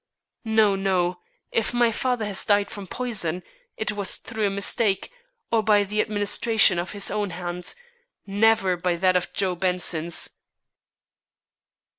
No, no, if my father has died from poison, it was through a mistake, or by the administration of his own hand, never by that of Joe Benson's."